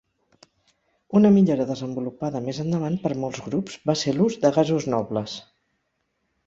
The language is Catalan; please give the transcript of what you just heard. Una millora desenvolupada més endavant per molts grups, va ser l'ús de gasos nobles.